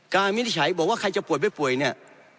วินิจฉัยบอกว่าใครจะป่วยไม่ป่วยเนี่ย